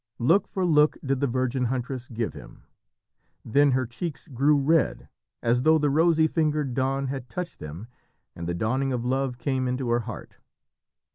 Look for look did the virgin huntress give him. Then her cheeks grew red, as though the rosy fingered dawn had touched them, and the dawning of love came into her heart.